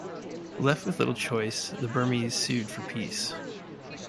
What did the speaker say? Left with little choice, the Burmese sued for peace.